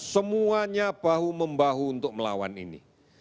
semuanya bahu membahu untuk melawan ini